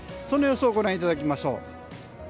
その予想をご覧いただきましょう。